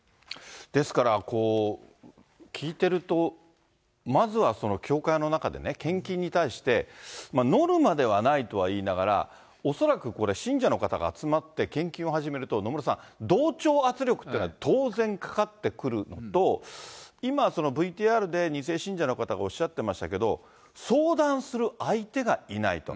ですから、聞いてると、まずは教会の中で、献金に対してノルマではないと言いながら、恐らくこれ、信者の方が集まって、献金を始めると、野村さん、同調圧力っていうのは、当然かかってくるのと、今、ＶＴＲで二世信者の方がおっしゃってましたけれども、相談する相手がいないと。